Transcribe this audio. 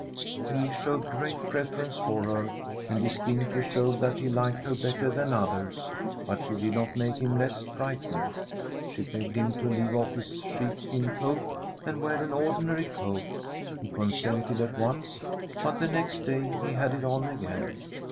He showed great preference for her, and dis tinctly showed that he liked her better than others; but she did not make him less fright ened. She begged him to leave off his sheep The STORY of a COUNTRY HOUSE skin coat, and wear an ordinary coat. He con sented at once, but the next day he had it on again.